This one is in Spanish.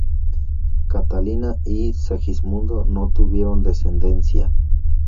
Catalina y Segismundo no tuvieron descendencia.